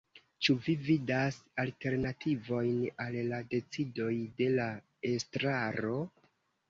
Ĉu vi vidas alternativojn al la decidoj de la estraro?